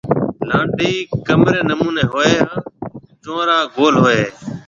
لانڊَي ڪمرَي نمونيَ ھوئيَ ھيََََ ھان چنورا گول ھوئيَ ھيََََ